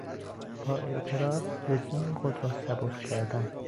با اعتراف وجدان خود را سبک کردن